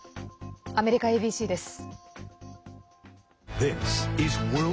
アメリカＡＢＣです。